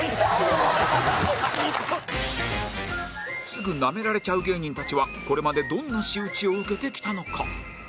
すぐナメられちゃう芸人たちはこれまでどんな仕打ちを受けてきたのか？